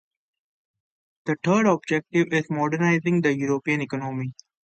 The third objective is modernising the European economy.